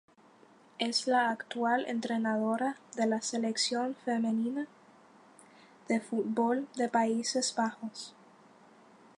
Es la actual entrenadora de la Selección femenina de fútbol de Países Bajos.